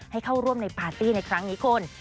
ให้เข้าร่วมในปาร์ตี้ในครั้งนี้คุณ